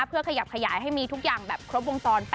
เพื่อขยับขยายให้มีทุกอย่างแบบครบวงจร